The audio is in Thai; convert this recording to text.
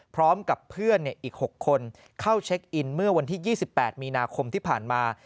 พร้อมกับเพื่อนอีก๖คนเข้าเช็คอินเมื่อวันที่๒๘มีนาคมที่ผ่านมา